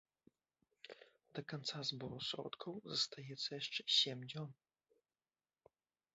Да канца збору сродкаў застаецца яшчэ сем дзён.